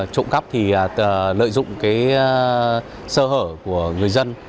trộm cắp thì lợi dụng cái sơ hở của người dân